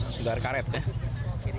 sudah ada karet ya